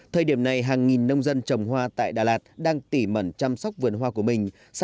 thời điểm này hàng nghìn nông dân trồng hoa tại đà lạt đang tỉ mẩn chăm sóc vườn hoa của mình